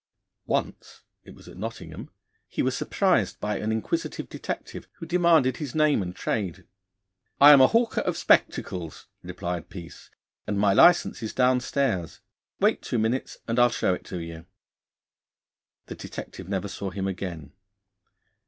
Once it was at Nottingham he was surprised by an inquisitive detective who demanded his name and trade. 'I am a hawker of spectacles,' replied Peace, 'and my licence is downstairs. Wait two minutes and I'll show it you.' The detective never saw him again.